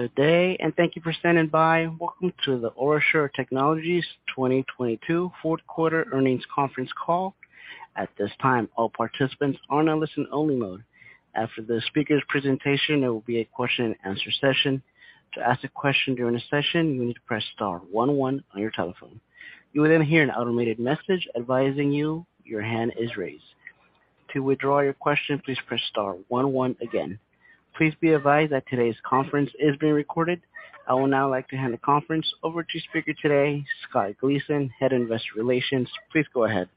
Good day, and thank you for standing by. Welcome to the OraSure Technologies 2022 fourth quarter earnings conference call. At this time, all participants are in a listen only mode. After the speaker's presentation, there will be a question and answer session. To ask a question during the session, you need to press star one one on your telephone. You will then hear an automated message advising you your hand is raised. To withdraw your question, please press star one one again. Please be advised that today's conference is being recorded. I will now like to hand the conference over to speaker today, Scott Gleason, Head of Investor Relations. Please go ahead.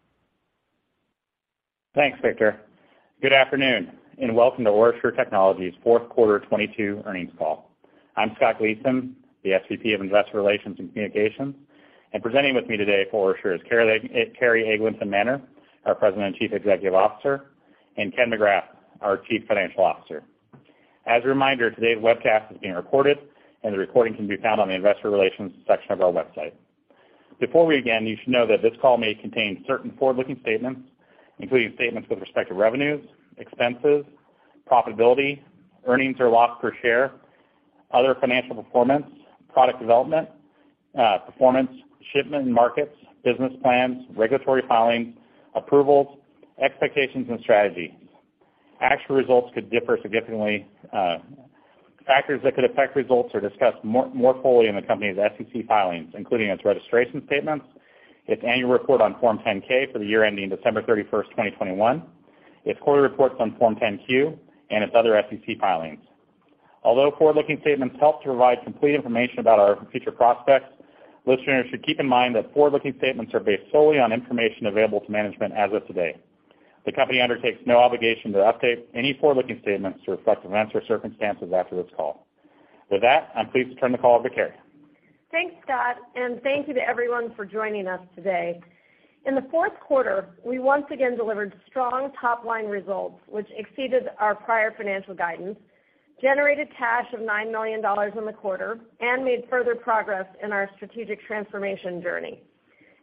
Thanks, Victor. Good afternoon and welcome to OraSure Technologies fourth quarter 2022 earnings call. I'm Scott Gleason, the SVP of Investor Relations and Communications, and presenting with me today for OraSure is Carrie Eglinton Manner, our President and Chief Executive Officer, and Ken McGrath, our Chief Financial Officer. As a reminder, today's webcast is being recorded and the recording can be found on the investor relations section of our website. Before we begin, you should know that this call may contain certain forward-looking statements, including statements with respect to revenues, expenses, profitability, earnings or loss per share, other financial performance, product development, performance, shipment and markets, business plans, regulatory filings, approvals, expectations and strategy. Actual results could differ significantly. Factors that could affect results are discussed more fully in the company's SEC filings, including its registration statements, its annual report on Form 10-K for the year ending December 31, 2021, its quarterly reports on Form 10-Q, and its other SEC filings. Although forward-looking statements help to provide complete information about our future prospects, listeners should keep in mind that forward-looking statements are based solely on information available to management as of today. The company undertakes no obligation to update any forward-looking statements to reflect events or circumstances after this call. With that, I'm pleased to turn the call over to Carrie. Thanks, Scott, thank you to everyone for joining us today. In the fourth quarter, we once again delivered strong top-line results, which exceeded our prior financial guidance, generated cash of $9 million in the quarter, and made further progress in our strategic transformation journey.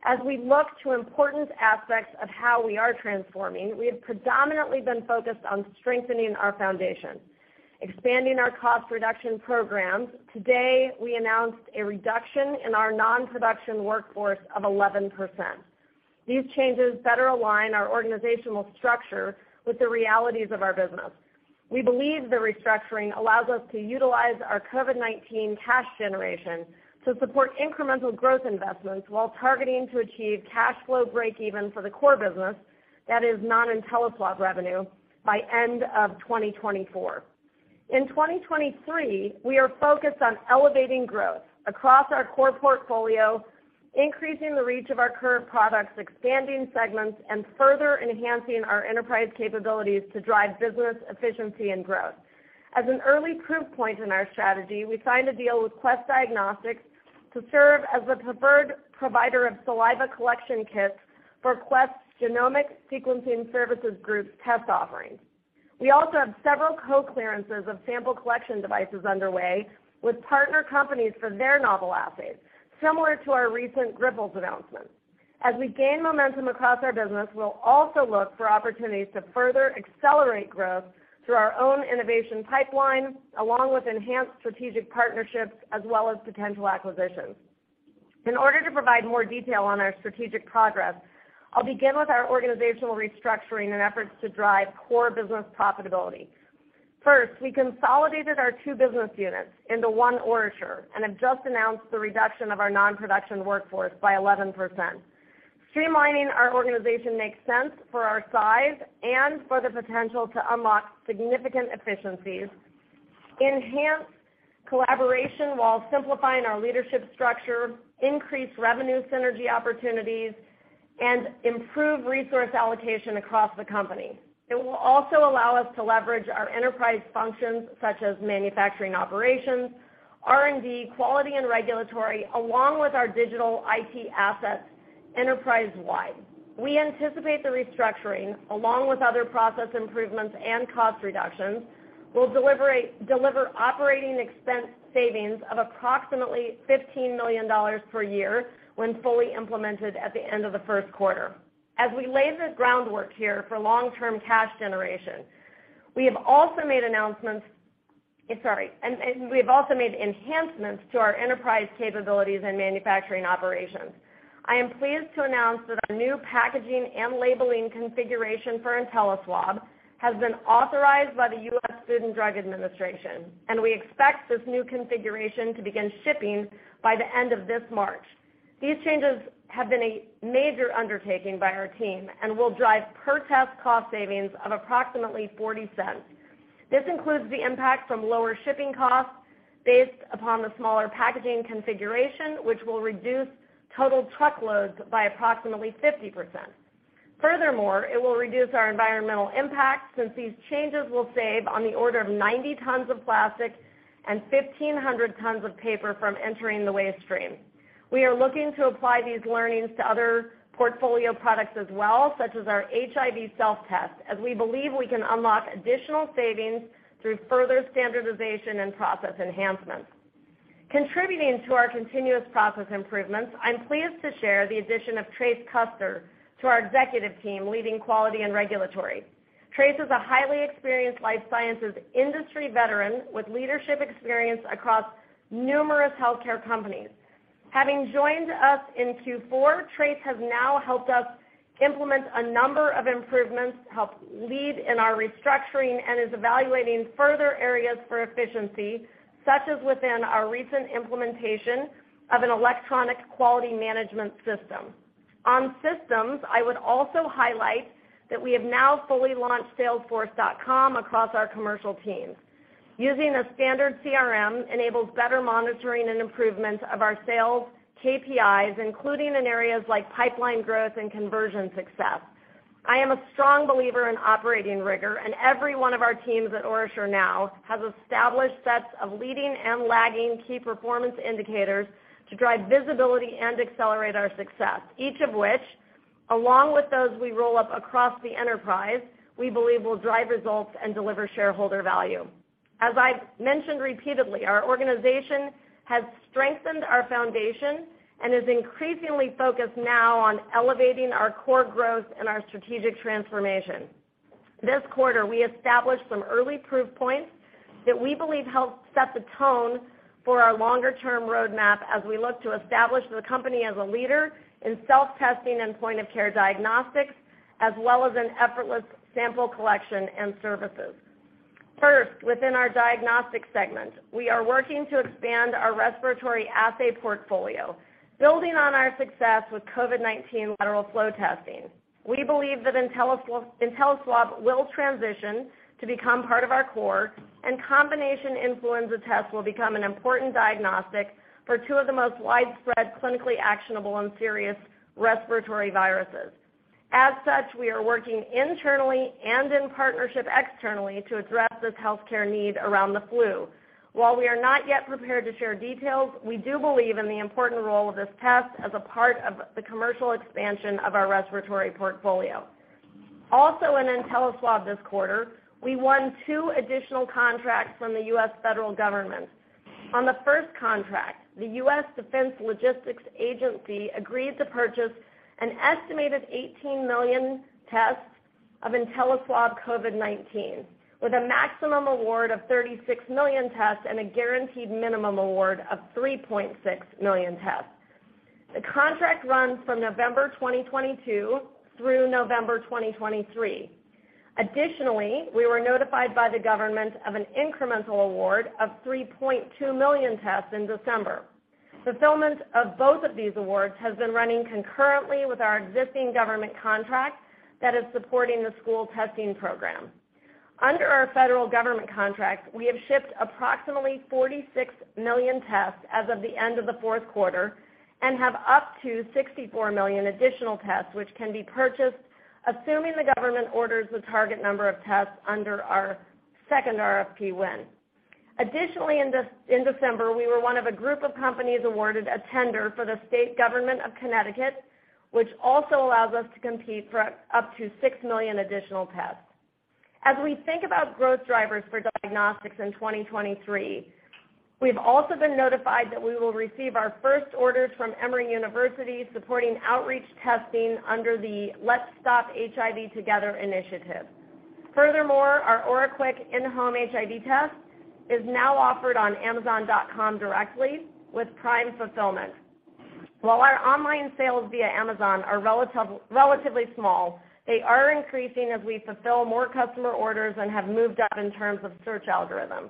As we look to important aspects of how we are transforming, we have predominantly been focused on strengthening our foundation, expanding our cost reduction programs. Today, we announced a reduction in our non-production workforce of 11%. These changes better align our organizational structure with the realities of our business. We believe the restructuring allows us to utilize our COVID-19 cash generation to support incremental growth investments while targeting to achieve cash flow break even for the core business that is non-InteliSwab revenue by end of 2024. In 2023, we are focused on elevating growth across our core portfolio, increasing the reach of our current products, expanding segments, and further enhancing our enterprise capabilities to drive business efficiency and growth. As an early proof point in our strategy, we signed a deal with Quest Diagnostics to serve as the preferred provider of saliva collection kits for Quest's Genomic Sequencing Services Group's test offerings. We also have several co-clearances of sample collection devices underway with partner companies for their novel assays, similar to our recent Grifols' announcement. As we gain momentum across our business, we'll also look for opportunities to further accelerate growth through our own innovation pipeline, along with enhanced strategic partnerships as well as potential acquisitions. In order to provide more detail on our strategic progress, I'll begin with our organizational restructuring and efforts to drive core business profitability. First, we consolidated our two business units into One OraSure and have just announced the reduction of our non-production workforce by 11%. Streamlining our organization makes sense for our size and for the potential to unlock significant efficiencies, enhance collaboration while simplifying our leadership structure, increase revenue synergy opportunities, and improve resource allocation across the company. It will also allow us to leverage our enterprise functions such as manufacturing operations, R&D, quality and regulatory, along with our digital IT assets enterprise-wide. We anticipate the restructuring, along with other process improvements and cost reductions, will deliver operating expense savings of approximately $15 million per year when fully implemented at the end of the first quarter. As we lay the groundwork here for long-term cash generation, we have also made announcements. Sorry, and we have also made enhancements to our enterprise capabilities and manufacturing operations. I am pleased to announce that our new packaging and labeling configuration for InteliSwab has been authorized by the US Food and Drug Administration. We expect this new configuration to begin shipping by the end of this March. These changes have been a major undertaking by our team. Will drive per test cost savings of approximately $0.40. This includes the impact from lower shipping costs based upon the smaller packaging configuration, which will reduce total truckloads by approximately 50%. Furthermore, it will reduce our environmental impact since these changes will save on the order of 90 tons of plastic and 1,500 tons of paper from entering the waste stream. We are looking to apply these learnings to other portfolio products as well, such as our HIV self-test, as we believe we can unlock additional savings through further standardization and process enhancements. Contributing to our continuous process improvements, I'm pleased to share the addition of Trace Custer to our executive team leading quality and regulatory. Trace is a highly experienced life sciences industry veteran with leadership experience across numerous healthcare companies. Having joined us in Q4, Trace has now helped us implement a number of improvements, helped lead in our restructuring, and is evaluating further areas for efficiency, such as within our recent implementation of an electronic quality management system. On systems, I would also highlight that we have now fully launched Salesforce.com across our commercial teams. Using a standard CRM enables better monitoring and improvement of our sales KPIs, including in areas like pipeline growth and conversion success. I am a strong believer in operating rigor, and every one of our teams at OraSure now has established sets of leading and lagging key performance indicators to drive visibility and accelerate our success, each of which, along with those we roll up across the enterprise, we believe will drive results and deliver shareholder value. As I've mentioned repeatedly, our organization has strengthened our foundation and is increasingly focused now on elevating our core growth and our strategic transformation. This quarter, we established some early proof points that we believe help set the tone for our longer-term roadmap as we look to establish the company as a leader in self-testing and point-of-care diagnostics, as well as in effortless sample collection and services. First, within our diagnostics segment, we are working to expand our respiratory assay portfolio. Building on our success with COVID-19 lateral flow testing, we believe that InteliSwab will transition to become part of our core, and combination influenza tests will become an important diagnostic for two of the most widespread, clinically actionable, and serious respiratory viruses. As such, we are working internally and in partnership externally to address this healthcare need around the flu. While we are not yet prepared to share details, we do believe in the important role of this test as a part of the commercial expansion of our respiratory portfolio. Also in InteliSwab this quarter, we won two additional contracts from the U.S. federal government. On the first contract, the US Defense Logistics Agency agreed to purchase an estimated 18 million tests of InteliSwab COVID-19, with a maximum award of 36 million tests and a guaranteed minimum award of 3.6 million tests. The contract runs from November 2022 through November 2023. We were notified by the government of an incremental award of 3.2 million tests in December. Fulfillment of both of these awards has been running concurrently with our existing government contract that is supporting the school testing program. Under our federal government contract, we have shipped approximately 46 million tests as of the end of the fourth quarter and have up to 64 million additional tests which can be purchased, assuming the government orders the target number of tests under our second RFP win. In December, we were one of a group of companies awarded a tender for the state government of Connecticut, which also allows us to compete for up to 6 million additional tests. We think about growth drivers for diagnostics in 2023, we've also been notified that we will receive our first orders from Emory University supporting outreach testing under the Let's Stop HIV Together initiative. Our OraQuick in-home HIV test is now offered on Amazon.com directly with Prime Fulfillment. Our online sales via Amazon are relatively small, they are increasing as we fulfill more customer orders and have moved up in terms of search algorithm.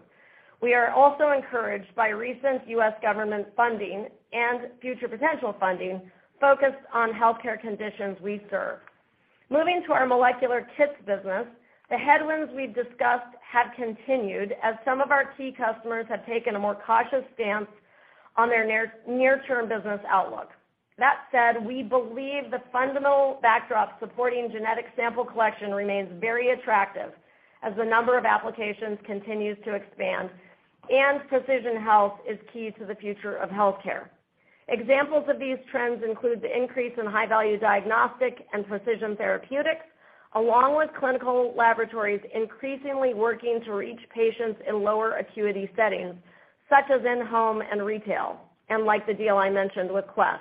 We are also encouraged by recent U.S. government funding and future potential funding focused on healthcare conditions we serve. Moving to our molecular kits business, the headwinds we've discussed have continued as some of our key customers have taken a more cautious stance on their near-term business outlook. That said, we believe the fundamental backdrop supporting genetic sample collection remains very attractive as the number of applications continues to expand and precision health is key to the future of healthcare. Examples of these trends include the increase in high-value diagnostic and precision therapeutics, along with clinical laboratories increasingly working to reach patients in lower acuity settings, such as in-home and retail, and like the deal I mentioned with Quest.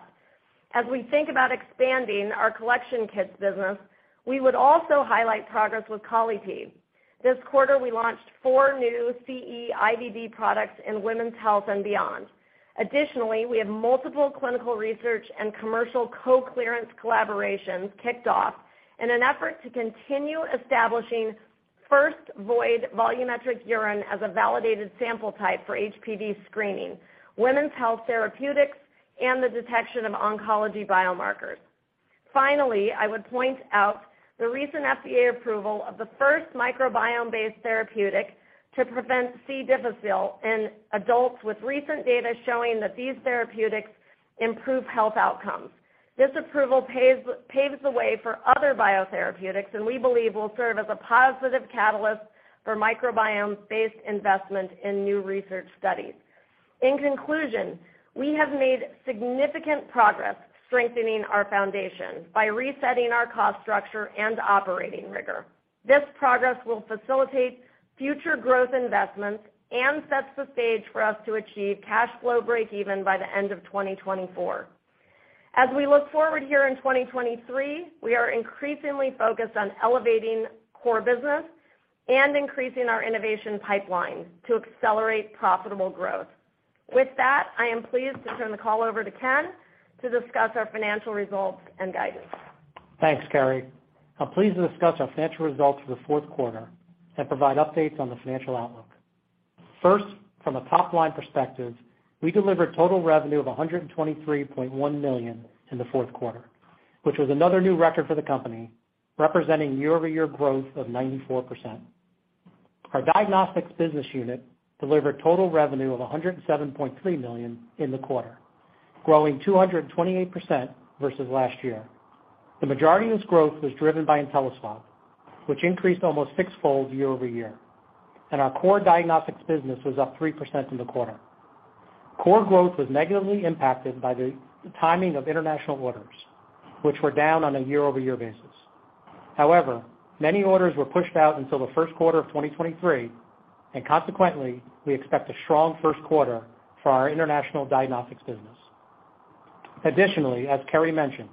As we think about expanding our collection kits business, we would also highlight progress with Colli-Pee. This quarter, we launched four new CE-IVD products in women's health and beyond. Additionally, we have multiple clinical research and commercial co-clearance collaborations kicked off in an effort to continue establishing first void volumetric urine as a validated sample type for HPV screening, women's health therapeutics, and the detection of oncology biomarkers. Finally, I would point out the recent FDA approval of the first microbiome-based therapeutic to prevent C. difficile in adults with recent data showing that these therapeutics improve health outcomes. This approval paves the way for other biotherapeutics, and we believe will serve as a positive catalyst for microbiome-based investment in new research studies. In conclusion, we have made significant progress strengthening our foundation by resetting our cost structure and operating rigor. This progress will facilitate future growth investments and sets the stage for us to achieve cash flow breakeven by the end of 2024. As we look forward here in 2023, we are increasingly focused on elevating core business and increasing our innovation pipeline to accelerate profitable growth. With that, I am pleased to turn the call over to Ken to discuss our financial results and guidance. Thanks, Carrie. I'm pleased to discuss our financial results for the fourth quarter and provide updates on the financial outlook. First, from a top-line perspective, we delivered total revenue of $123.1 million in the fourth quarter, which was another new record for the company, representing year-over-year growth of 94%. Our diagnostics business unit delivered total revenue of $107.3 million in the quarter, growing 228% versus last year. The majority of this growth was driven by InteliSwab, which increased almost sixfold year-over-year, and our core diagnostics business was up 3% in the quarter. Core growth was negatively impacted by the timing of international orders, which were down on a year-over-year basis. Many orders were pushed out until the first quarter of 2023, and consequently, we expect a strong 1st quarter for our international diagnostics business. As Carrie mentioned,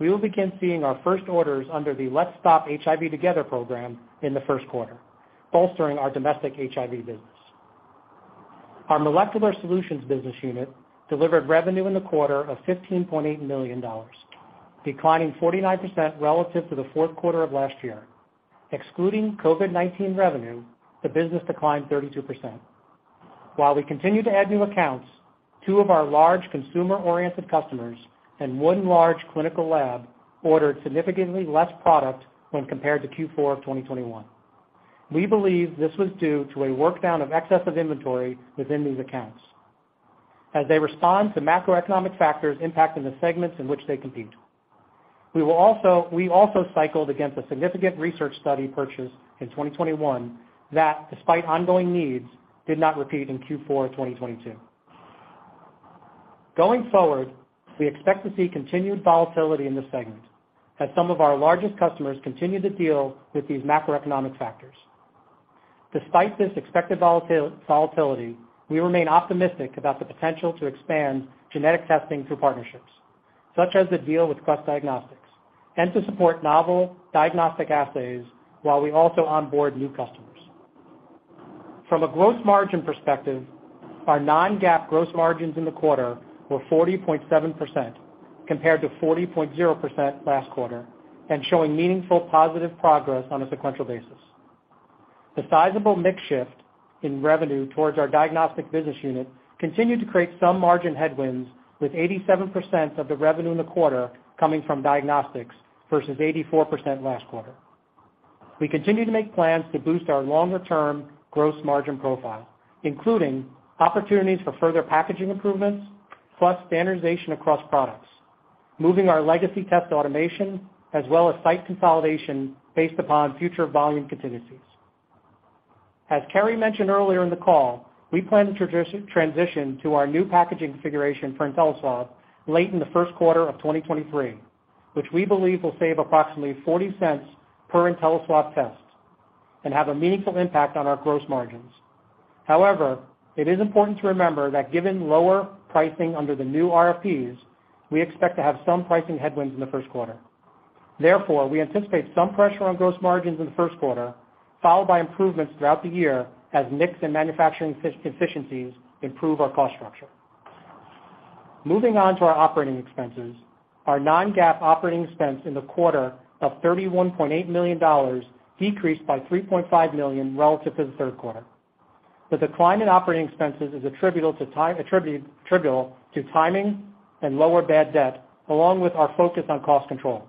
we will begin seeing our first orders under the Let's Stop HIV Together program in the 1st quarter, bolstering our domestic HIV business. Our molecular solutions business unit delivered revenue in the quarter of $15.8 million, declining 49% relative to the fourth quarter of last year. Excluding COVID-19 revenue, the business declined 32%. We continue to add new accounts, two of our large consumer-oriented customers and one large clinical lab ordered significantly less product when compared to Q4 of 2021. We believe this was due to a work-down of excess of inventory within these accounts as they respond to macroeconomic factors impacting the segments in which they compete. We also cycled against a significant research study purchase in 2021 that, despite ongoing needs, did not repeat in Q4 of 2022. Going forward, we expect to see continued volatility in this segment as some of our largest customers continue to deal with these macroeconomic factors. Despite this expected volatility, we remain optimistic about the potential to expand genetic testing through partnerships, such as the deal with Quest Diagnostics, and to support novel diagnostic assays while we also onboard new customers. From a gross margin perspective, our non-GAAP gross margins in the quarter were 40.7% compared to 40.0% last quarter and showing meaningful positive progress on a sequential basis. The sizable mix shift in revenue towards our diagnostic business unit continued to create some margin headwinds, with 87% of the revenue in the quarter coming from diagnostics versus 84% last quarter. We continue to make plans to boost our longer-term gross margin profile, including opportunities for further packaging improvements plus standardization across products, moving our legacy test automation as well as site consolidation based upon future volume contingencies. As Carrie mentioned earlier in the call, we plan to transition to our new packaging configuration for InteliSwab late in the first quarter of 2023, which we believe will save approximately $0.40 per InteliSwab test and have a meaningful impact on our gross margins. It is important to remember that given lower pricing under the new RFPs, we expect to have some pricing headwinds in the first quarter. Therefore, we anticipate some pressure on gross margins in the first quarter, followed by improvements throughout the year as mix and manufacturing efficiencies improve our cost structure. Moving on to our operating expenses. Our non-GAAP operating expense in the quarter of $31.8 million decreased by $3.5 million relative to the third quarter. The decline in operating expenses is attributable to timing and lower bad debt, along with our focus on cost controls.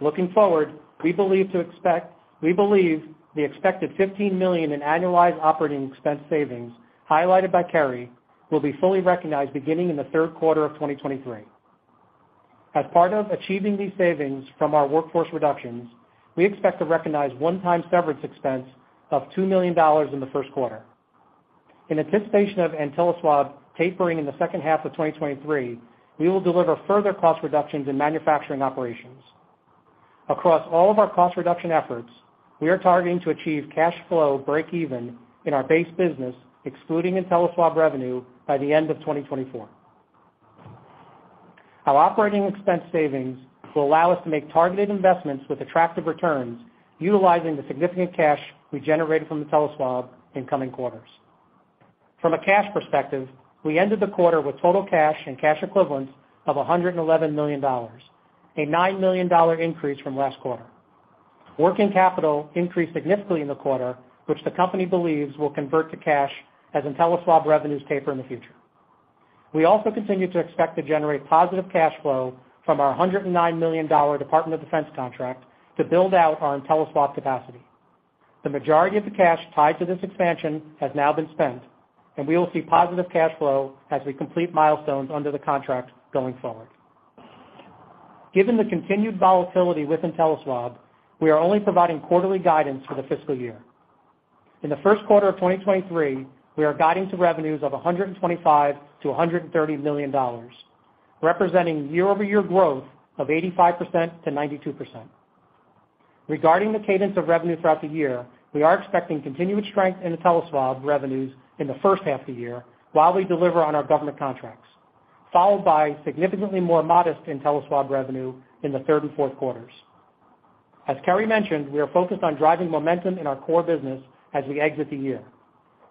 Looking forward, we believe the expected $15 million in annualized operating expense savings highlighted by Carrie will be fully recognized beginning in the third quarter of 2023. As part of achieving these savings from our workforce reductions, we expect to recognize one-time severance expense of $2 million in the first quarter. In anticipation of InteliSwab tapering in the second half of 2023, we will deliver further cost reductions in manufacturing operations. Across all of our cost reduction efforts, we are targeting to achieve cash flow breakeven in our base business, excluding InteliSwab revenue, by the end of 2024. Our operating expense savings will allow us to make targeted investments with attractive returns utilizing the significant cash we generated from InteliSwab in coming quarters. From a cash perspective, we ended the quarter with total cash and cash equivalents of $111 million, a $9 million increase from last quarter. Working capital increased significantly in the quarter, which the company believes will convert to cash as InteliSwab revenues taper in the future. We also continue to expect to generate positive cash flow from our $109 million Department of Defense contract to build out our InteliSwab capacity. The majority of the cash tied to this expansion has now been spent, and we will see positive cash flow as we complete milestones under the contract going forward. Given the continued volatility with InteliSwab, we are only providing quarterly guidance for the fiscal year. In the first quarter of 2023, we are guiding to revenues of $125 million-$130 million, representing year-over-year growth of 85%-92%. Regarding the cadence of revenue throughout the year, we are expecting continued strength in the InteliSwab revenues in the first half of the year while we deliver on our government contracts, followed by significantly more modest InteliSwab revenue in the third and fourth quarters. As Carrie mentioned, we are focused on driving momentum in our core business as we exit the year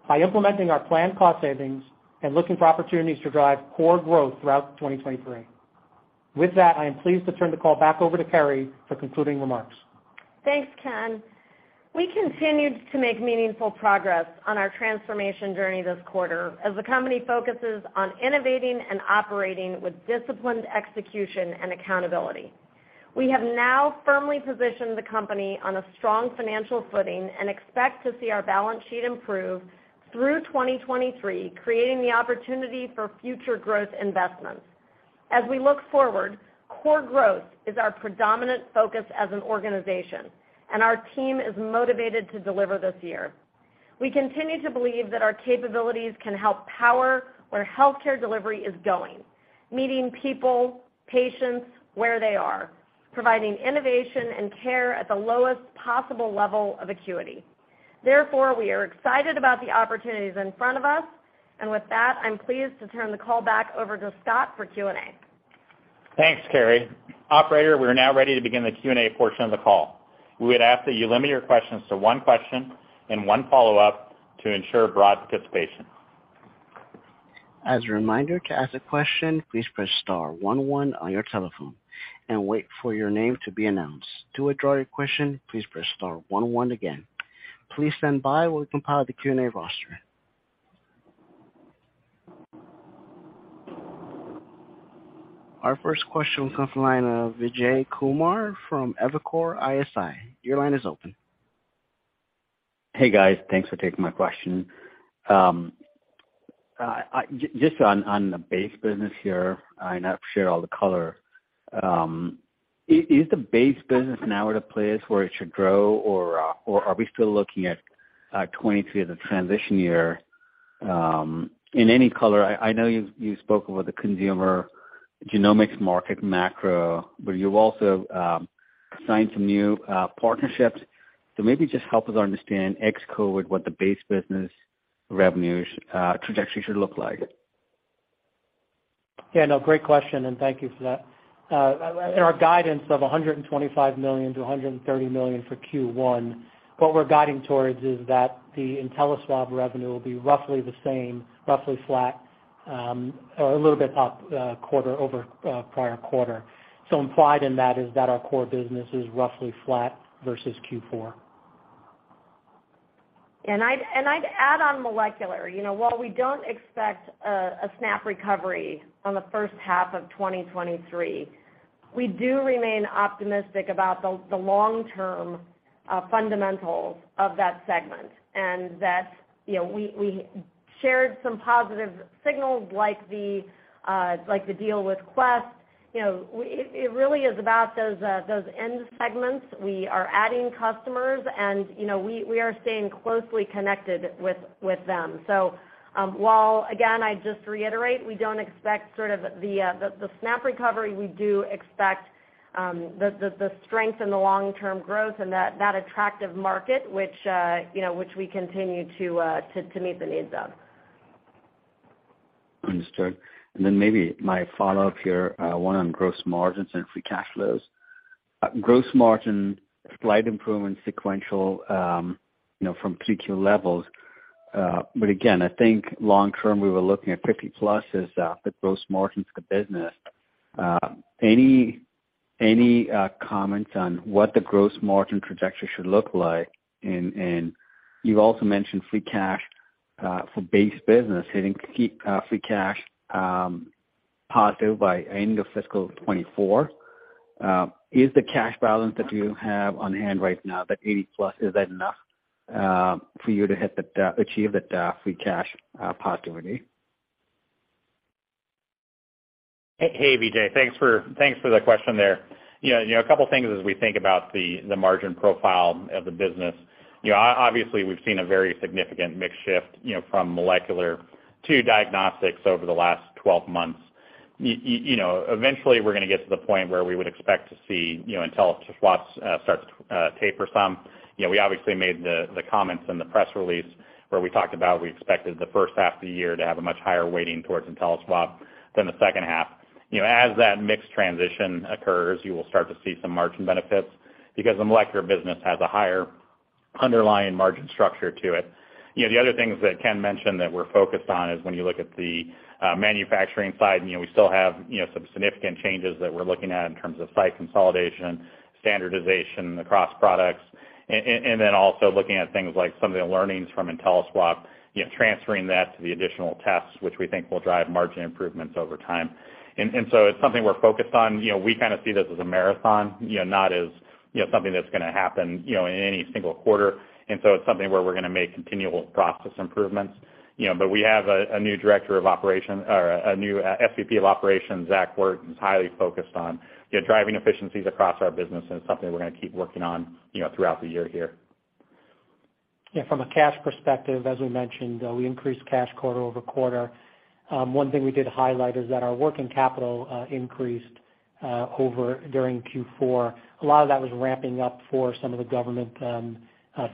by implementing our planned cost savings and looking for opportunities to drive core growth throughout 2023. With that, I am pleased to turn the call back over to Carrie for concluding remarks. Thanks, Ken. We continued to make meaningful progress on our transformation journey this quarter as the company focuses on innovating and operating with disciplined execution and accountability. We have now firmly positioned the company on a strong financial footing and expect to see our balance sheet improve through 2023, creating the opportunity for future growth investments. Core growth is our predominant focus as an organization, and our team is motivated to deliver this year. We continue to believe that our capabilities can help power where healthcare delivery is going, meeting people, patients where they are, providing innovation and care at the lowest possible level of acuity. We are excited about the opportunities in front of us. With that, I'm pleased to turn the call back over to Scott for Q&A. Thanks, Carrie. Operator, we're now ready to begin the Q&A portion of the call. We would ask that you limit your questions to one question and one follow-up to ensure broad participation. As a reminder, to ask a question, please press star one one on your telephone and wait for your name to be announced. To withdraw your question, please press star one one again. Please stand by while we compile the Q&A roster. Our first question will come from the line of Vijay Kumar from Evercore ISI. Your line is open. Hey, guys. Thanks for taking my question. Just on the base business here, I know I've shared all the color. Is the base business now at a place where it should grow or are we still looking at 2023 as a transition year in any color, I know you've spoken with the consumer genomics market macro, but you've also signed some new partnerships. Maybe just help us understand ex COVID what the base business revenues trajectory should look like? Yeah, no, great question, and thank you for that. In our guidance of $125 million to $130 million for Q1, what we're guiding towards is that the InteliSwab revenue will be roughly the same, roughly flat, or a little bit up, quarter over prior quarter. Implied in that is that our core business is roughly flat versus Q4. I'd add on molecular. You know, while we don't expect a snap recovery on the first half of 2023, we do remain optimistic about the long-term fundamentals of that segment. That, you know, we shared some positive signals like the deal with Quest. You know, it really is about those end segments. We are adding customers, and, you know, we are staying closely connected with them. While again, I just reiterate, we don't expect sort of the snap recovery, we do expect the strength and the long-term growth and that attractive market which, you know, which we continue to meet the needs of. Understood. Maybe my follow-up here, one on gross margins and free cash flows. Gross margin, slight improvement sequential, you know, from 3Q levels. Again, I think long term, we were looking at 50%+ as the gross margins of the business. Any comments on what the gross margin trajectory should look like? You've also mentioned free cash for base business, hitting free cash positive by end of fiscal 2024. Is the cash balance that you have on hand right now, that $80 million+, enough for you to achieve the free cash positivity? Hey, Vijay, thanks for the question there. You know, a couple things as we think about the margin profile of the business. You know, obviously, we've seen a very significant mix shift, you know, from molecular to diagnostics over the last 12 months. You know, eventually we're gonna get to the point where we would expect to see, you know, InteliSwabs, start to taper some. You know, we obviously made the comments in the press release where we talked about we expected the first half of the year to have a much higher weighting towards InteliSwab than the second half. You know, as that mix transition occurs, you will start to see some margin benefits because the molecular business has a higher underlying margin structure to it. You know, the other things that Ken mentioned that we're focused on is when you look at the manufacturing side, and, you know, we still have, you know, some significant changes that we're looking at in terms of site consolidation, standardization across products, and then also looking at things like some of the learnings from InteliSwab, you know, transferring that to the additional tests, which we think will drive margin improvements over time. It's something we're focused on. You know, we kinda see this as a marathon, you know, not as, you know, something that's gonna happen, you know, in any single quarter. It's something where we're gonna make continual process improvements. You know, we have a new SVP of Operations, Zach Wert, who's highly focused on, you know, driving efficiencies across our business, and it's something we're gonna keep working on, you know, throughout the year here. Yeah, from a cash perspective, as we mentioned, we increased cash quarter-over-quarter. One thing we did highlight is that our working capital increased over during Q4. A lot of that was ramping up for some of the government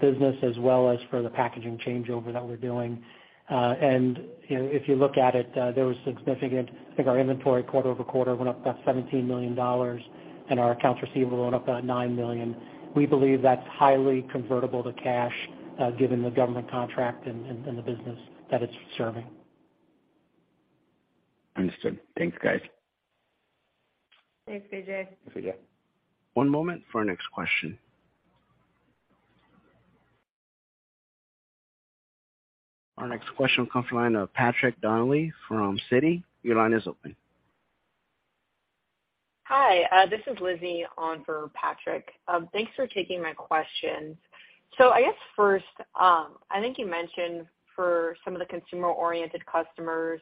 business as well as for the packaging changeover that we're doing. You know, if you look at it, I think our inventory quarter-over-quarter went up about $17 million and our accounts receivable went up about $9 million. We believe that's highly convertible to cash, given the government contract and the business that it's serving. Understood. Thanks, guys. Thanks, Vijay. Thanks, Vijay. One moment for our next question. Our next question comes from the line of Patrick Donnelly from Citi. Your line is open. Hi. This is Lizzie on for Patrick. Thanks for taking my questions. I guess first, I think you mentioned for some of the consumer-oriented customers,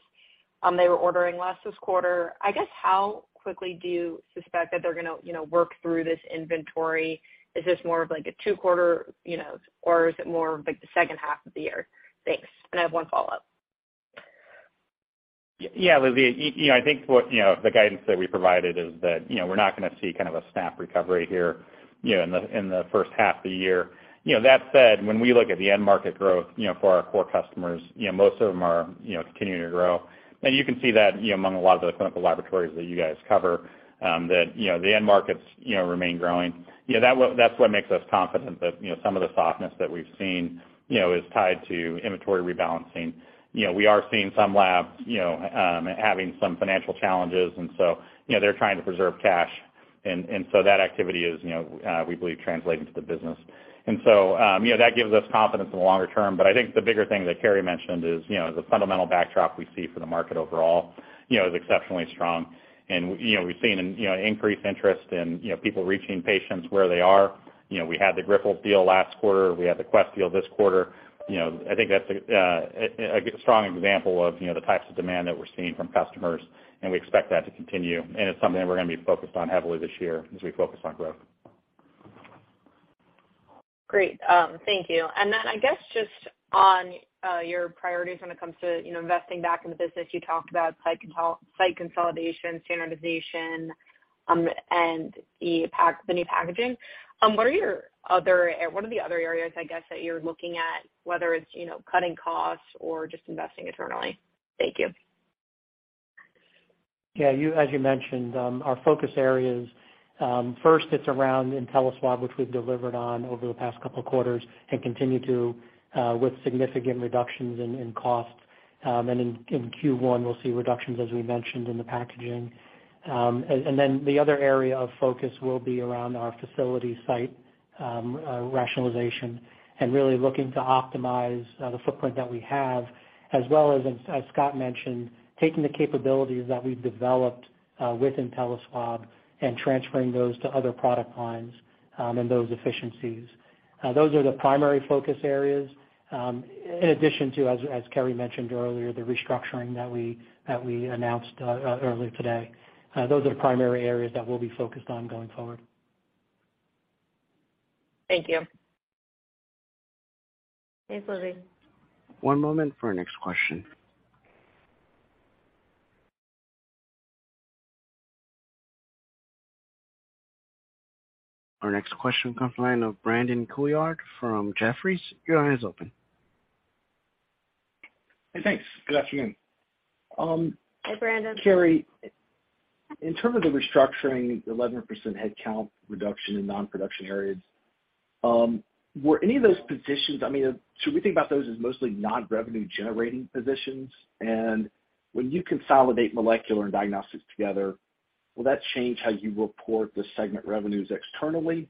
they were ordering less this quarter. I guess, how quickly do you suspect that they're gonna, you know, work through this inventory? Is this more of like a two quarter, you know, or is it more of like the second half of the year? Thanks. I have one follow-up. Yeah. Yeah, Lizzie, you know, I think what, you know, the guidance that we provided is that, you know, we're not gonna see kind of a snap recovery here, you know, in the, in the first half of the year. You know, that said, when we look at the end market growth, you know, for our core customers, you know, most of them are, you know, continuing to grow. You can see that, you know, among a lot of the clinical laboratories that you guys cover, that, you know, the end markets, you know, remain growing. You know, that's what makes us confident that, you know, some of the softness that we've seen, you know, is tied to inventory rebalancing. You know, we are seeing some labs, you know, having some financial challenges and so, you know, they're trying to preserve cash and so that activity is, you know, we believe translating to the business. So, you know, that gives us confidence in the longer term, but I think the bigger thing that Carrie mentioned is, you know, the fundamental backdrop we see for the market overall, you know, is exceptionally strong. You know, we've seen, you know, increased interest in, you know, people reaching patients where they are. You know, we had the Grifols deal last quarter. We had the Quest deal this quarter. You know, I think that's a strong example of, you know, the types of demand that we're seeing from customers, and we expect that to continue. It's something that we're gonna be focused on heavily this year as we focus on growth. Great. Thank you. Then I guess just on, your priorities when it comes to, you know, investing back in the business, you talked about site consolidation, standardization, and the new packaging. What are the other areas, I guess, that you're looking at, whether it's, you know, cutting costs or just investing internally? Thank you. Yeah, as you mentioned, our focus areas, first it's around InteliSwab, which we've delivered on over the past couple of quarters and continue to, with significant reductions in cost. In Q1, we'll see reductions, as we mentioned, in the packaging. Then the other area of focus will be around our facility site rationalization and really looking to optimize the footprint that we have, as well as and as Scott mentioned, taking the capabilities that we've developed with InteliSwab and transferring those to other product lines, and those efficiencies. Those are the primary focus areas. In addition to, as Carrie mentioned earlier, the restructuring that we announced earlier today. Those are the primary areas that we'll be focused on going forward. Thank you. Thanks, Lizzie. One moment for our next question. Our next question comes from the line of Brandon Couillard from Jefferies. Your line is open. Hey, thanks. Good afternoon. Hi, Brandon. Carrie, in terms of the restructuring, the 11% headcount reduction in non-production areas, I mean, should we think about those as mostly non-revenue generating positions? When you consolidate molecular and diagnostics together, will that change how you report the segment revenues externally?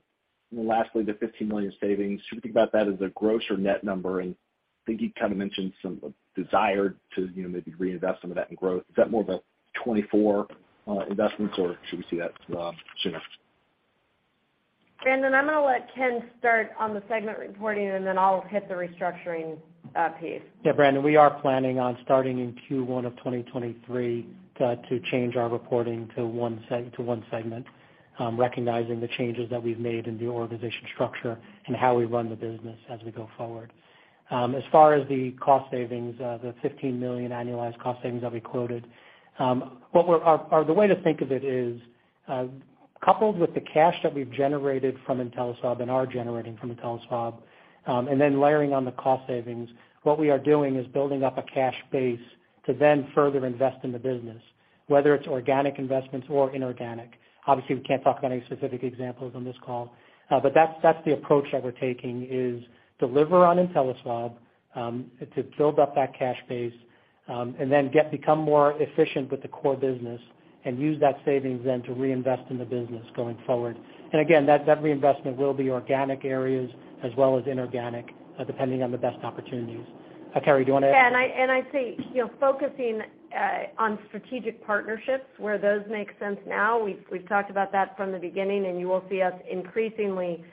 Lastly, the $15 million savings, should we think about that as a gross or net number? I think you kind of mentioned some desire to, you know, maybe reinvest some of that in growth. Is that more of a 2024 investments or should we see that sooner? Brandon, I'm gonna let Ken start on the segment reporting, and then I'll hit the restructuring piece. Yeah, Brandon, we are planning on starting in Q1 of 2023 to change our reporting to one segment, recognizing the changes that we've made in the organization structure and how we run the business as we go forward. As far as the cost savings, the $15 million annualized cost savings that we quoted, the way to think of it is, coupled with the cash that we've generated from InteliSwab and are generating from InteliSwab, and then layering on the cost savings, what we are doing is building up a cash base to then further invest in the business, whether it's organic investments or inorganic. Obviously, we can't talk about any specific examples on this call. That's the approach that we're taking is deliver on InteliSwab, to build up that cash base, and then become more efficient with the core business and use that savings then to reinvest in the business going forward. Again, that reinvestment will be organic areas as well as inorganic, depending on the best opportunities. Carrie, do you wanna add? I'd say, you know, focusing on strategic partnerships where those make sense now, we've talked about that from the beginning, and you will see us increasingly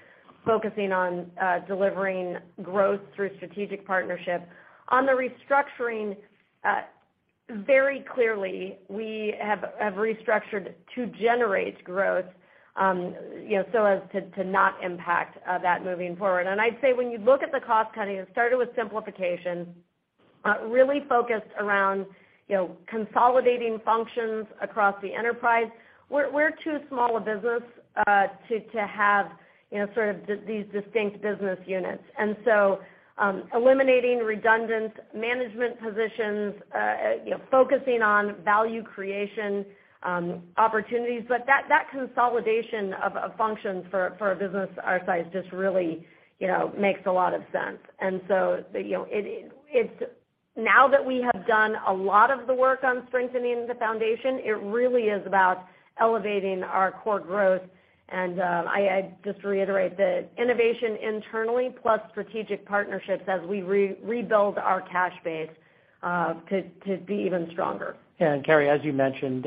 focusing on delivering growth through strategic partnership. On the restructuring, very clearly, we have restructured to generate growth, you know, so as to not impact that moving forward. I'd say when you look at the cost-cutting, it started with simplification, really focused around, you know, consolidating functions across the enterprise. We're too small a business to have, you know, sort of these distinct business units. Eliminating redundant management positions, you know, focusing on value creation opportunities. That consolidation of functions for a business our size just really, you know, makes a lot of sense. you know, it's now that we have done a lot of the work on strengthening the foundation, it really is about elevating our core growth. I just reiterate that innovation internally plus strategic partnerships as we rebuild our cash base to be even stronger. Yeah. Carrie, as you mentioned,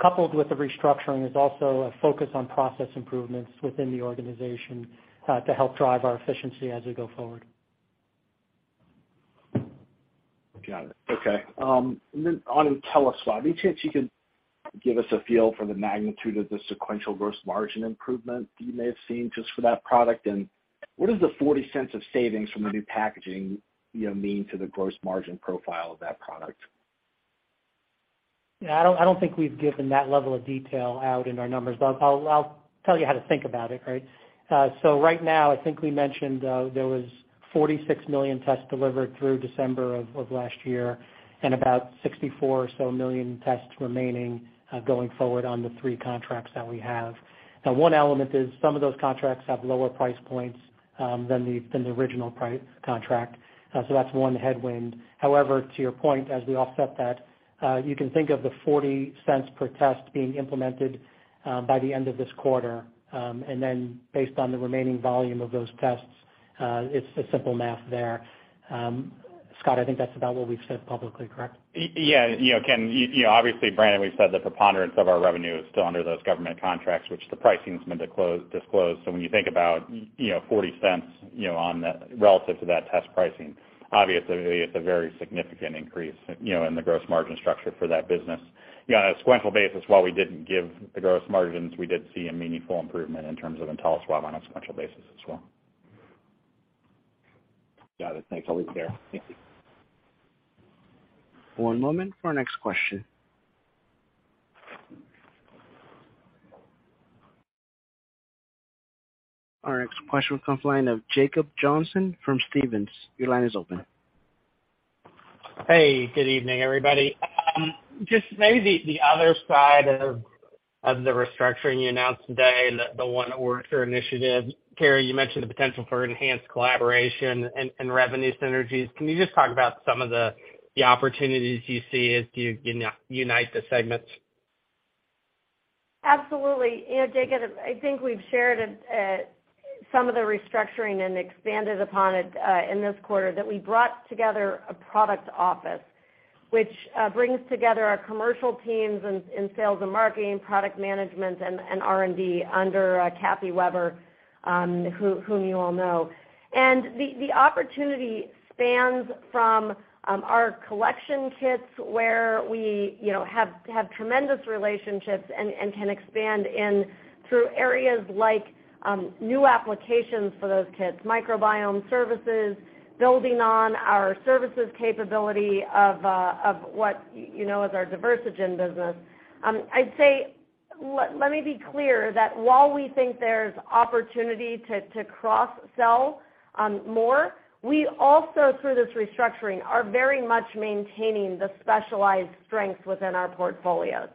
coupled with the restructuring is also a focus on process improvements within the organization, to help drive our efficiency as we go forward. Got it. Okay. On InteliSwab, any chance you can give us a feel for the magnitude of the sequential gross margin improvement that you may have seen just for that product? What does the $0.40 of savings from the new packaging, you know, mean to the gross margin profile of that product? Yeah, I don't, I don't think we've given that level of detail out in our numbers, but I'll tell you how to think about it, right? Right now, I think we mentioned, there was 46 million tests delivered through December of last year and about 64 or so million tests remaining, going forward on the 3 contracts that we have. One element is some of those contracts have lower price points than the original contract. That's 1 headwind. However, to your point, as we offset that, you can think of the $0.40 per test being implemented by the end of this quarter. Based on the remaining volume of those tests, it's a simple math there. Scott, I think that's about what we've said publicly, correct? Yeah. You know, Ken, you know, obviously, Brandon, we've said the preponderance of our revenue is still under those government contracts, which the pricing's been disclosed. When you think about, you know, $0.40, you know, relative to that test pricing, obviously it's a very significant increase, you know, in the gross margin structure for that business. You know, on a sequential basis, while we didn't give the gross margins, we did see a meaningful improvement in terms of InteliSwab on a sequential basis as well. Got it. Thanks. I'll leave it there. Thank you. One moment for our next question. Our next question comes line of Jacob Johnson from Stephens. Your line is open. Hey, good evening, everybody. Just maybe the other side of the restructuring you announced today, the One OraSure initiative. Carrie, you mentioned the potential for enhanced collaboration and revenue synergies. Can you just talk about some of the opportunities you see as you unite the segments? Absolutely. You know, Jacob, I think we've shared some of the restructuring and expanded upon it in this quarter, that we brought together a product office, which brings together our commercial teams in sales and marketing, product management and R&D under Kathy Weber, whom you all know. The opportunity spans from our collection kits where we, you know, have tremendous relationships and can expand in through areas like new applications for those kits, microbiome services, building on our services capability of what, you know as our Diversigen business. I'd say, let me be clear that while we think there's opportunity to cross-sell more, we also through this restructuring, are very much maintaining the specialized strengths within our portfolios.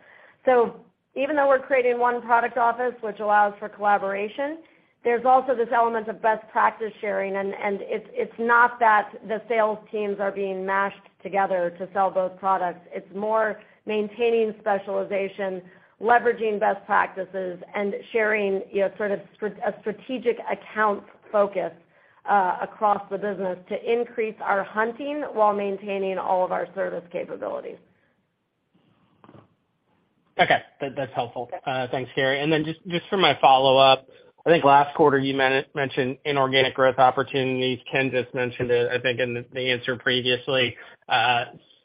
Even though we're creating one product office, which allows for collaboration, there's also this element of best practice sharing. It's not that the sales teams are being mashed together to sell those products. It's more maintaining specialization, leveraging best practices, and sharing, you know, a strategic account focus across the business to increase our hunting while maintaining all of our service capabilities. Okay. That's helpful. Okay. Thanks, Carrie. Just for my follow-up, I think last quarter you mentioned inorganic growth opportunities. Ken just mentioned it, I think in the answer previously.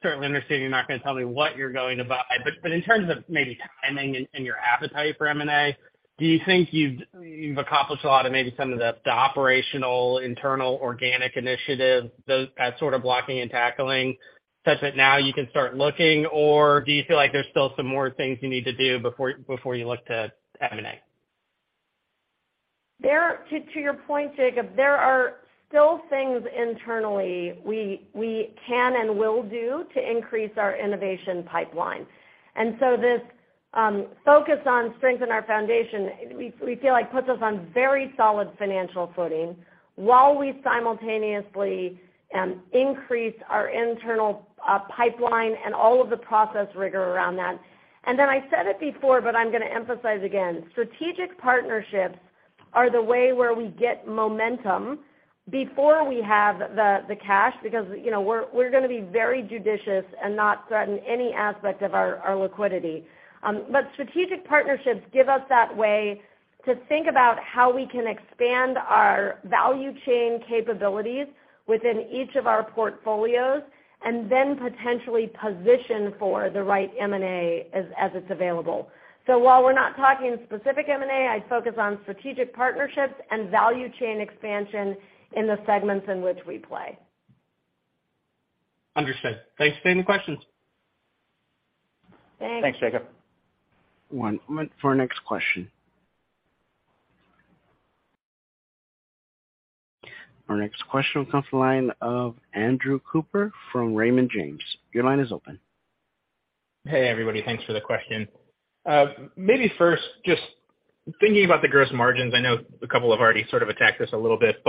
Certainly understand you're not gonna tell me what you're going to buy, but in terms of maybe timing and your appetite for M&A, do you think you've accomplished a lot of maybe some of the operational internal organic initiatives, those sort of blocking and tackling such that now you can start looking, or do you feel like there's still some more things you need to do before you look to M&A? To your point, Jacob, there are still things internally we can and will do to increase our innovation pipeline. This focus on strengthen our foundation, we feel like puts us on very solid financial footing while we simultaneously increase our internal pipeline and all of the process rigor around that. I said it before, but I'm gonna emphasize again. Strategic partnerships are the way where we get momentum before we have the cash, because, you know, we're gonna be very judicious and not threaten any aspect of our liquidity. Strategic partnerships give us that way to think about how we can expand our value chain capabilities within each of our portfolios and then potentially position for the right M&A as it's available. While we're not talking specific M&A, I'd focus on strategic partnerships and value chain expansion in the segments in which we play. Understood. Thanks for taking the questions. Thanks. Thanks, Jacob. One moment for our next question. Our next question comes from the line of Andrew Cooper from Raymond James. Your line is open. Hey, everybody. Thanks for the question. Maybe first, just thinking about the gross margins. I know a couple have already sort of attacked this a little bit,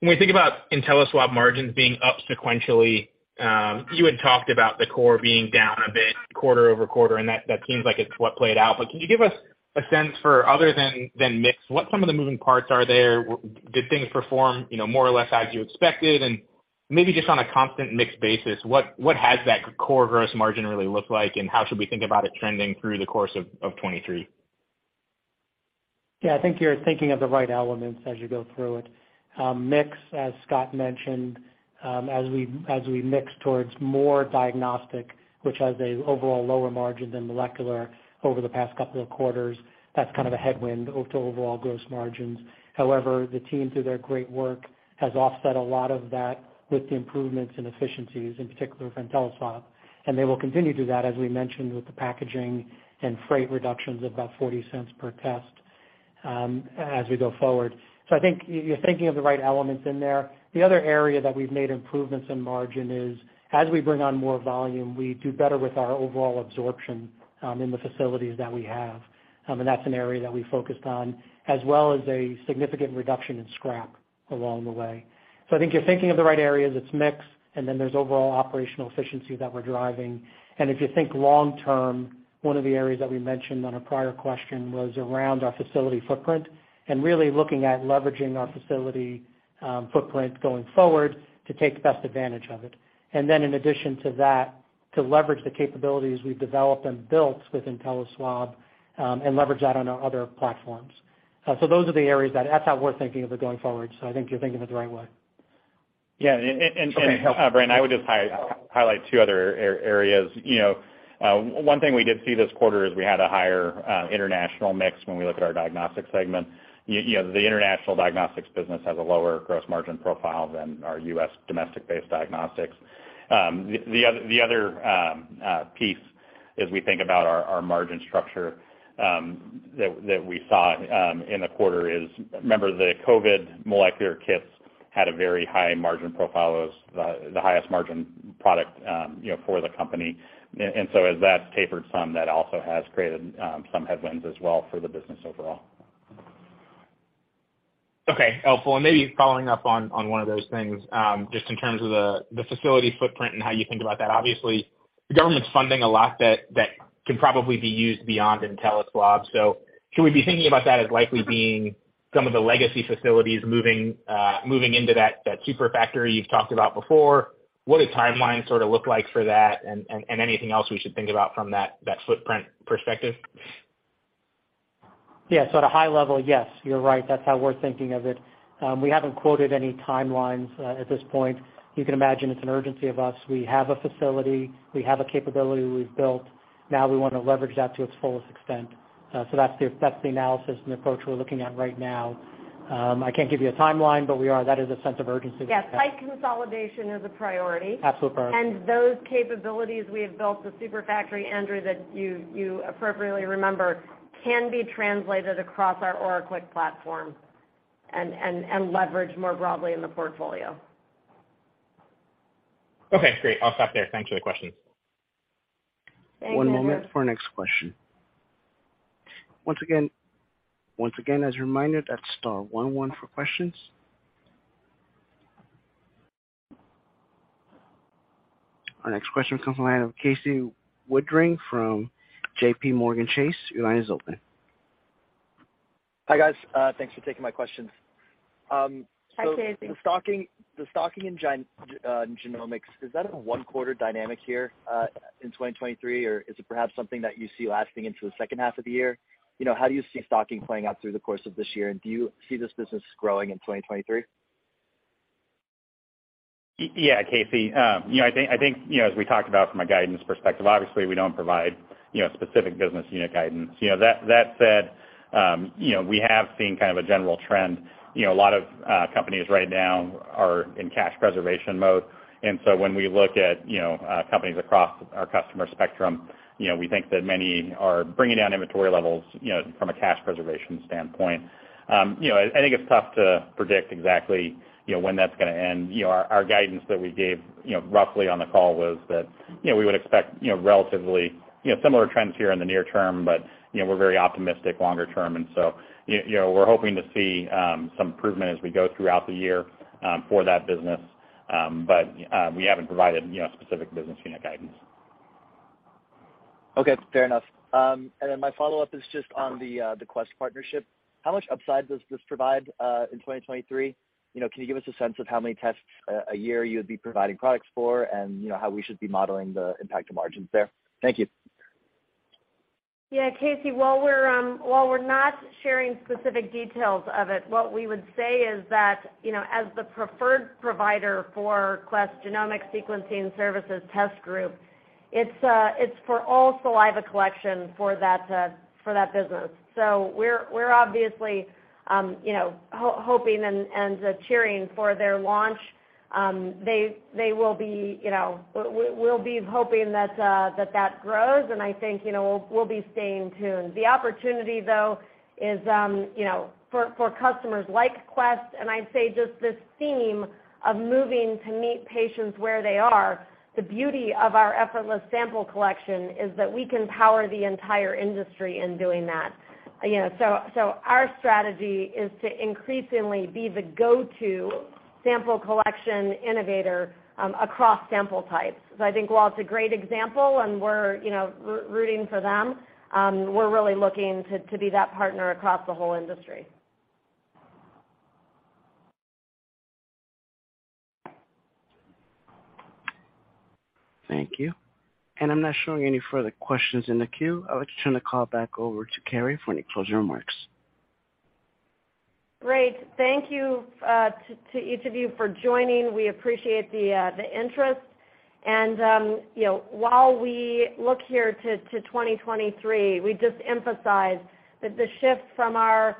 when we think about InteliSwab margins being up sequentially, you had talked about the core being down a bit quarter-over-quarter, and that seems like it's what played out. Can you give us a sense for other than mix, what some of the moving parts are there? Did things perform, you know, more or less as you expected? And maybe just on a constant mix basis, what has that core gross margin really looked like, and how should we think about it trending through the course of 2023? Yeah, I think you're thinking of the right elements as you go through it. Mix, as Scott mentioned, as we mix towards more diagnostic, which has a overall lower margin than molecular over the past couple of quarters, that's kind of a headwind to overall gross margins. However, the team, through their great work, has offset a lot of that with the improvements in efficiencies, in particular for InteliSwab, and they will continue to do that, as we mentioned, with the packaging and freight reductions of about $0.40 per test as we go forward. I think you're thinking of the right elements in there. The other area that we've made improvements in margin is as we bring on more volume, we do better with our overall absorption in the facilities that we have. That's an area that we focused on, as well as a significant reduction in scrap along the way. I think you're thinking of the right areas. It's mix, then there's overall operational efficiency that we're driving. If you think long term, one of the areas that we mentioned on a prior question was around our facility footprint and really looking at leveraging our facility footprint going forward to take best advantage of it. Then in addition to that, to leverage the capabilities we've developed and built with InteliSwab, and leverage that on our other platforms. Those are the areas that's how we're thinking of it going forward. I think you're thinking of it the right way. Yeah. Brian, I would just highlight two other areas. You know, one thing we did see this quarter is we had a higher international mix when we look at our diagnostics segment. You know, the international diagnostics business has a lower gross margin profile than our U.S. domestic-based diagnostics. The other piece as we think about our margin structure that we saw in the quarter is remember the COVID molecular kits had a very high margin profile. It was the highest margin product, you know, for the company. As that's tapered some, that also has created some headwinds as well for the business overall. Okay. Helpful. Maybe following up on one of those things, just in terms of the facility footprint and how you think about that. Obviously, the government's funding a lot that can probably be used beyond InteliSwab. Should we be thinking about that as likely being some of the legacy facilities moving into that super factory you've talked about before? What does timeline sort of look like for that? Anything else we should think about from that footprint perspective? Yeah. At a high level, yes, you're right, that's how we're thinking of it. We haven't quoted any timelines at this point. You can imagine it's an urgency of us. We have a facility, we have a capability we've built. Now we wanna leverage that to its fullest extent. That's the analysis and approach we're looking at right now. I can't give you a timeline, but that is a sense of urgency. Yes. Site consolidation is a priority. Absolute priority. Those capabilities we have built, the super factory, Andrew, that you appropriately remember, can be translated across our OraQuick platform and leveraged more broadly in the portfolio. Okay, great. I'll stop there. Thanks for the questions. Thanks, Andrew. One moment for our next question. Once again, as a reminder, that's star one one for questions. Our next question comes from the line of Casey Woodring from JPMorgan Chase & Co. Your line is open. Hi, guys. Thanks for taking my questions. Hi, Casey. The stocking in genomics, is that a one quarter dynamic here, in 2023? Or is it perhaps something that you see lasting into the second half of the year? You know, how do you see stocking playing out through the course of this year? Do you see this business growing in 2023? Yeah, Casey. You know, I think, you know, as we talked about from a guidance perspective, obviously we don't provide, you know, specific business unit guidance. You know, that said, you know, we have seen kind of a general trend. You know, a lot of companies right now are in cash preservation mode. When we look at, you know, companies across our customer spectrum, you know, we think that many are bringing down inventory levels, you know, from a cash preservation standpoint. You know, I think it's tough to predict exactly, you know, when that's gonna end. You know, our guidance that we gave, you know, roughly on the call was that, you know, we would expect, you know, relatively, you know, similar trends here in the near term, but, you know, we're very optimistic longer term. You know, we're hoping to see some improvement as we go throughout the year for that business. We haven't provided, you know, specific business unit guidance. Okay, fair enough. My follow-up is just on the Quest partnership. How much upside does this provide in 2023? You know, can you give us a sense of how many tests a year you would be providing products for and, you know, how we should be modeling the impact to margins there? Thank you. Yeah, Casey, while we're not sharing specific details of it, what we would say is that, you know, as the preferred provider for Quest Genomic Sequencing Services Group, it's for all saliva collection for that business. We're obviously, you know, hoping and cheering for their launch. They will be, you know. We'll be hoping that that grows, and I think, you know, we'll be staying tuned. The opportunity, though, is, you know, for customers like Quest, and I'd say just this theme of moving to meet patients where they are, the beauty of our effortless sample collection is that we can power the entire industry in doing that. Our strategy is to increasingly be the go-to sample collection innovator across sample types. I think while it's a great example and we're, you know, rooting for them, we're really looking to be that partner across the whole industry. Thank you. I'm not showing any further questions in the queue. I would like to turn the call back over to Carrie for any closing remarks. Great. Thank you to each of you for joining. We appreciate the interest. you know, while we look here to 2023, we just emphasize that the shift from our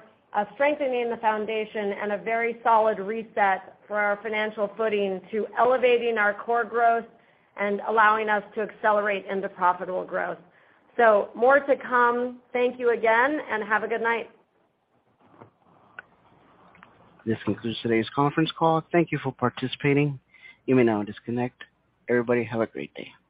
strengthening the foundation and a very solid reset for our financial footing to elevating our core growth and allowing us to accelerate into profitable growth. More to come. Thank you again, and have a good night. This concludes today's conference call. Thank you for participating. You may now disconnect. Everybody, have a great day.